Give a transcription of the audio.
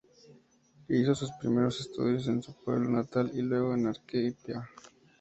Hizo sus primeros estudios en su pueblo natal y luego en Arequipa.